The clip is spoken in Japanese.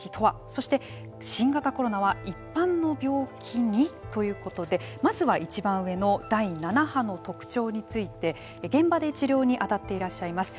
そして新型コロナは一般の病気に？ということでまずはいちばん上の第７波の特徴について現場で治療に当たっていらっしゃいます